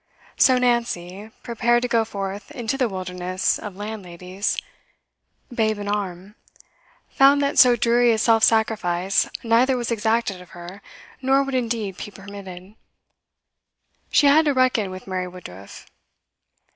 So Nancy, prepared to go forth into the wilderness of landladies, babe in arm, found that so dreary a self sacrifice neither was exacted of her, nor would indeed be permitted; she had to reckon with Mary Woodruff.